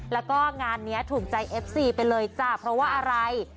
แล้วก็งานนี้ถูกใจเอฟซีไปเลยจ้ะเพราะว่าอะไร